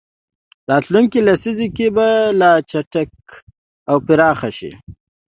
راتلونکې لسیزه کې به لا چټک او پراخ شي.